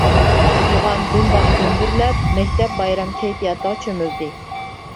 يوغان دۇمباق گۈمبۈرلەپ مەكتەپ بايرام كەيپىياتىغا چۆمۈلدى.